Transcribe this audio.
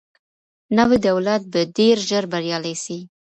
نوی دولت به ډیر ژر بریالی سي.